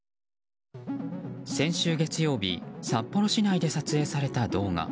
先週月曜日札幌市内で撮影された動画。